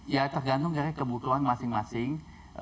ya tergantung dari kebutuhan masing masing